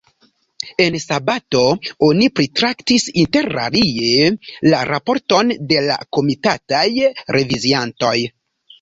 En sabato oni pritraktis interalie la raporton de la komitataj reviziantoj.